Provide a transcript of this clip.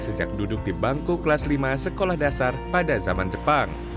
sejak duduk di bangku kelas lima sekolah dasar pada zaman jepang